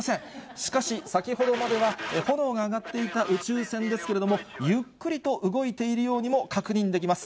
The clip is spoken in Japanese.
しかし先ほどまでは、炎が上がっていた宇宙船ですけれども、ゆっくりと動いているようにも確認できます。